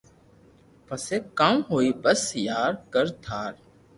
پسي ڪاوُ ھوئي بس ڪر ٽار